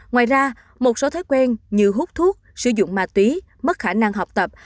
ngoài ra một số thói quen như hút thuốc sử dụng ma túy mất khả năng học tập